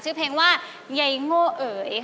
ชื่อเพลงว่ายัยโง่เอ๋ยค่ะ